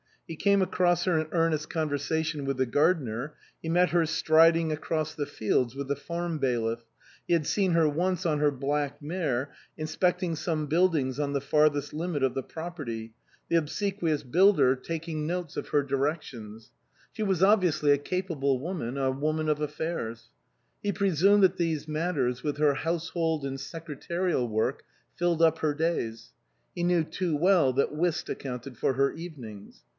He came across her in earnest conversation with the gardener ; he met her striding across the fields with the farm bailiff ; he had seen her once on her black mare inspecting some buildings on the farthest limit of the property, the obsequious builder taking 63 THE COSMOPOLITAN notes of her directions. She was obviously a capable woman, a woman of affairs. He pre sumed that these matters, with her household and secretarial work, filled up her days ; he knew too well that whist accounted for her evenings.